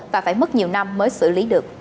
và phải mất nhiều năm mới xử lý được